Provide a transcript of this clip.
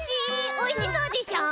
おいしそうでしょ！